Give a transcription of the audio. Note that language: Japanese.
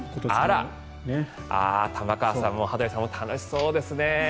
あら、玉川さんも羽鳥さんも楽しそうですね。